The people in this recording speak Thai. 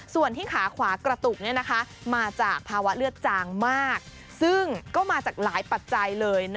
ส่วนที่ขาขวากระตุกมาจากภาวะเลือดจางมากซึ่งก็มาจากหลายปัจจัยเลย